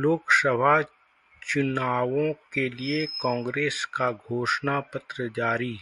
लोकसभा चुनवों के लिए कांग्रेस का घोषणा पत्र जारी